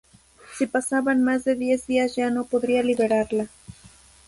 Si pasaban más de diez días ya no podría liberarla.